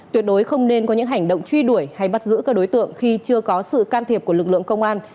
tuyệt đối không nên có những hành động truy đuổi hay bắt giữ các đối tượng khi chưa có sự can thiệp của lực lượng công an